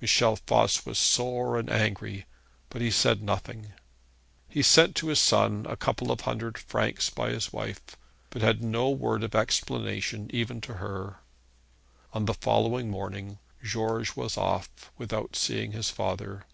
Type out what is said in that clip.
Michel Voss was sore and angry, but he said nothing. He sent to his son a couple of hundred francs by his wife, but said no word of explanation even to her. On the following morning George was off without seeing his father.